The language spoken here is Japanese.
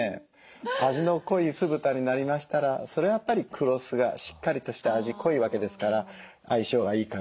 味の濃い酢豚になりましたらそれはやっぱり黒酢がしっかりとした味濃いわけですから相性がいいかなと。